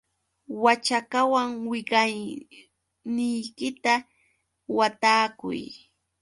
Waćhakawan wiqawniykita watakuy.